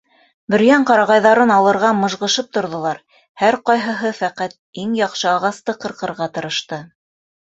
Бөрйән ҡарағайҙарын алырға мыжғышып торҙолар, һәр ҡайһыһы фәҡәт иң яҡшы ағасты ҡырҡырға тырышты.